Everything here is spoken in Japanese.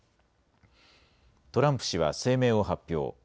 トランプ氏は声明を発表。